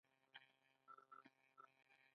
خدای پاک فرمايي چې ښځې ستاسې لپاره لباس دي.